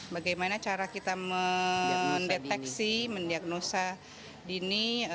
bagaimana cara kita mendeteksi mendiagnosa dini